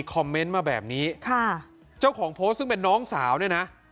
คอมเมนต์มาแบบนี้ค่ะเจ้าของโพสต์ซึ่งเป็นน้องสาวเนี่ยนะ